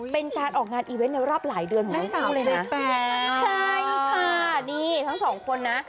เป็นการออกงานอีเวนต์ในรอบหลายเดือนของเราเลยค่ะแม่สาวด้วยแปลงใช่ค่ะนี่ทั้งสองคนนะ